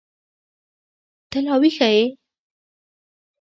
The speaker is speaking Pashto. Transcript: ته لا ويښه يې.